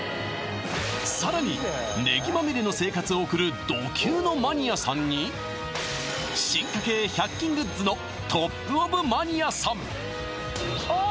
さらにねぎまみれの生活を送るド級のマニアさんに進化系１００均グッズのトップオブマニアさんああ